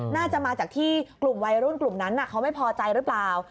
น่าจะมาจากที่กลุ่มวัยรุ่นกลุ่มนั้นเขาไม่พอใจหรือเปล่า